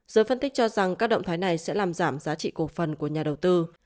giới phân tích cho rằng các động thái này sẽ làm giảm giá trị cổ phần của nhà đầu tư